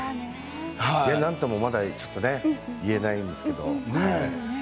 なんともねちょっと言えないんですけれども。